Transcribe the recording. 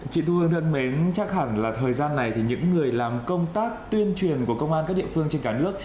chị thu hương thân mến chắc hẳn là thời gian này thì những người làm công tác tuyên truyền của công an các địa phương trên cả nước